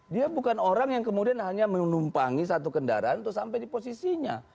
dia bukan orang yang kemudian hanya menumpangi satu kendaraan untuk sampai di posisinya